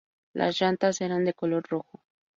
Las llantas eran de color rojo.